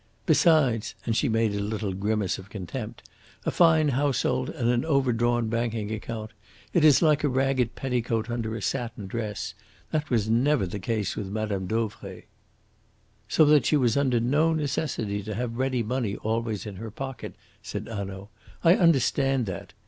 "Besides," and she made a little grimace of contempt, "a fine household and an overdrawn banking account it is like a ragged petticoat under a satin dress. That was never the case with Madame Dauvray." "So that she was under no necessity to have ready money always in her pocket," said Hanaud. "I understand that.